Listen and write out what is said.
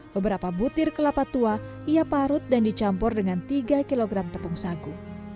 beberapa butir kelapa tua ia parut dan dicampur dengan tiga kg tepung sagu